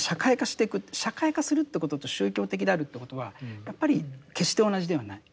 社会化するということと宗教的であるということはやっぱり決して同じではない。